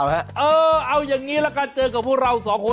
อยู่หรือเปล่านะฮะเออเอาอย่างงี้ล่ะกันเจอกับพวกเราสองคน